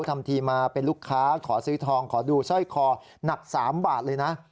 ทำทีมาเป็นลูกค้าขอซื้อทองขอดูสร้อยคอหนัก๓บาทเลยนะ